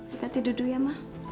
kita tidur dulu ya ma